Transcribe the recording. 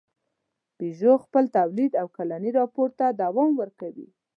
پيژو خپل تولید او کلني راپور ته دوام ورکوي.